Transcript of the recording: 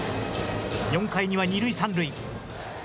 ４回には二塁三塁。